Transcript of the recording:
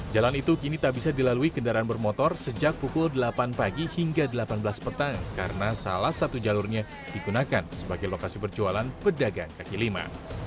jalan itu kini tak bisa dilalui kendaraan bermotor sejak pukul delapan pagi hingga delapan belas petang karena salah satu jalurnya digunakan sebagai lokasi berjualan pedagang kaki lima